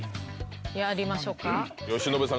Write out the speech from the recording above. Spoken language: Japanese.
やりましょうか？